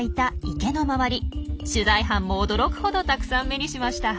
取材班も驚くほどたくさん目にしました。